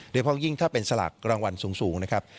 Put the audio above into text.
เพราะยิ่งถ้าเป็นสลากรางวัลสูงนะครับ